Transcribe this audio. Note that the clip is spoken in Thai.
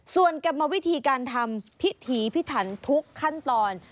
ส่วนกรรมวิธีการทำพิถีพิถันทุกขั้นตอน